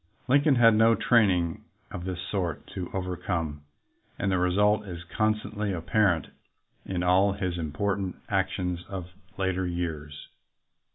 Lincoln had no training of this sort to over come, and the result is constantly apparent in all his important actions of later years.